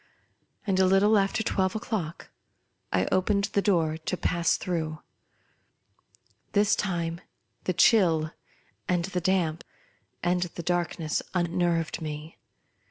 And, a little after twelve o'clock, I opened the door to pass through. This time the chill, and the damp, and the darkness unnerved me.